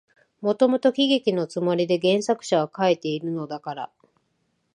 もともと喜劇のつもりで原作者は書いているのだから、